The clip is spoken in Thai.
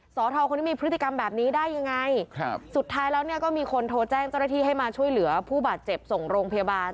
สทคนนี้มีพฤติกรรมแบบนี้ได้ยังไงครับสุดท้ายแล้วเนี่ยก็มีคนโทรแจ้งเจ้าหน้าที่ให้มาช่วยเหลือผู้บาดเจ็บส่งโรงพยาบาล